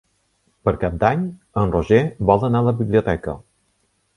Per Cap d'Any en Roger vol anar a la biblioteca.